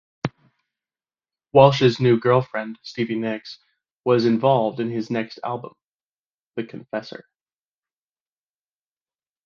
Walsh's new girlfriend Stevie Nicks was involved in his next album, "The Confessor".